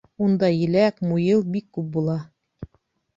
Унда еләк, муйыл бик күп була.